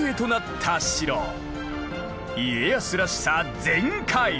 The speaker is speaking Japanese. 家康らしさ全開！